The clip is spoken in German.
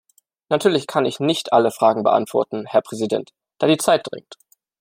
Natürlich kann ich nicht alle Fragen beantworten, Herr Präsident, da die Zeit drängt.